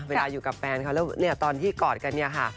เวลาอยู่กับแฟนเขาแล้วเนี่ยตอนที่กอดกันเนี่ยค่ะ